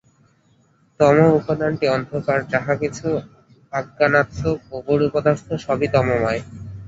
তম উপাদানটি অন্ধকার, যাহা কিছু অজ্ঞানাত্মক ও গুরু পদার্থ সবই তমোময়।